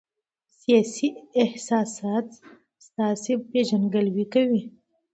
ستاسي احساسات ستاسي پېژندګلوي کوي.